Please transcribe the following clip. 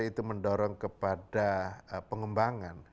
itu mendorong kepada pengembangan